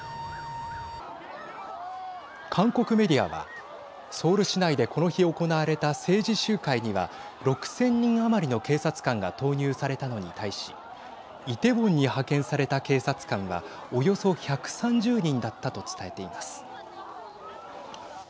韓国メディアはソウル市内でこの日行われた政治集会には６０００人余りの警察官が投入されたのに対しイテウォンに派遣された警察官はおよそ１３０人だったと伝えています。